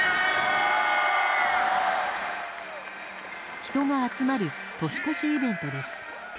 人が集まる年越しイベントです。